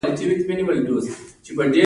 د هند په تاریخ کې د سزا بل ډول هم شته.